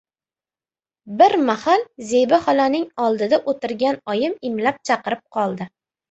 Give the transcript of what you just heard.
Bir mahal Zebi xolaning oldida o‘tirgan oyim imlab chaqirib qoldi.